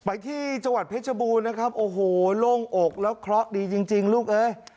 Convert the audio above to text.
ไปที่จังหวัดเพชรบูรณ์นะครับโอ้โหโล่งอกแล้วเคราะห์ดีจริงลูกเอ้ย